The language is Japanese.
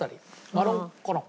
マロンコロン。